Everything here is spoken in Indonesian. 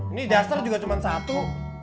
ini duster juga cuma satu